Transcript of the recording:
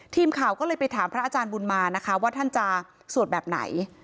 ทีมข่าวก็เลยไปถามพระอาจารย์บุญมานะคะว่าท่านจะสวดแบบไหน